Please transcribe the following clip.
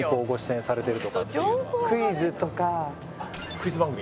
クイズ番組。